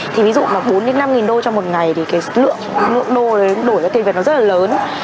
thì ví dụ mà bốn đến năm đô trong một ngày thì cái lượng nội đô đổi ra tiền việt nó rất là lớn